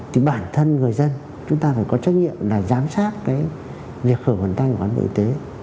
thì bản thân người dân chúng ta phải có trách nhiệm là giám sát cái việc khử khuẩn tay của cán bộ y tế